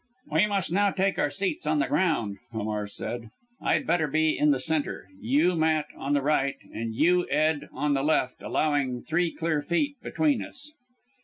"We must now take our seats on the ground," Hamar said; "I'd better be in the centre you, Matt, on the right, and you, Ed, on the left allowing three clear feet between us."